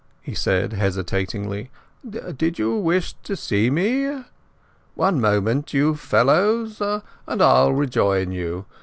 he said hesitatingly. "Did you wish to see me? One moment, you fellows, and I'll rejoin you.